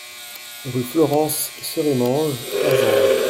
Rue Florence, Serémange-Erzange